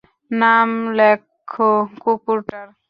নাম লেখো কুকুরটার।